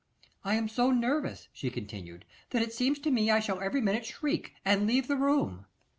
'I am so nervous,' she continued, 'that it seems to me I shall every minute shriek, and leave the room.